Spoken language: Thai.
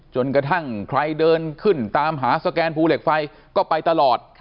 จนกระทั่งใครเดินขึ้นตามหาสแกนภูเหล็กไฟก็ไปตลอด